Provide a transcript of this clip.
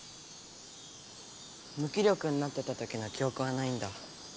む気力になってたときの記おくはないんだ。